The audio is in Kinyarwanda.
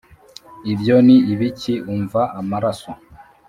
ibyo ni ibiki Umva Amaraso